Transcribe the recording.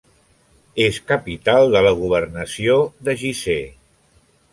És capital de la governació de Gizeh.